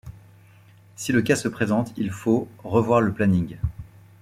Si le cas se présente, il faut revoir le planning.